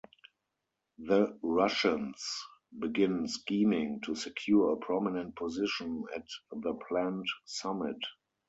The Russians begin scheming to secure a prominent position at the planned summit.